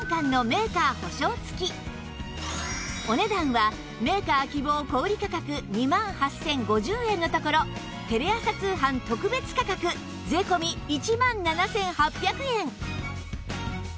お値段はメーカー希望小売価格２万８０５０円のところテレ朝通販特別価格税込１万７８００円